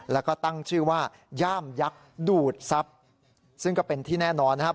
แล้วก็ตั้งชื่อว่าย่ามยักษ์ดูดทรัพย์ซึ่งก็เป็นที่แน่นอนนะครับ